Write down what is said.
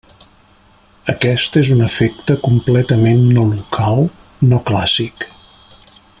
Aquest és un efecte completament no local, no clàssic.